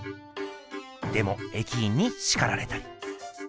でも駅員にしかられたり。